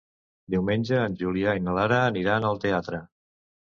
Diumenge en Julià i na Lara aniran al teatre.